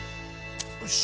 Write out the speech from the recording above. よし。